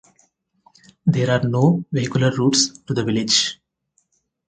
There are no vehicular routes to the village.